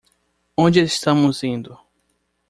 Onde estamos indo?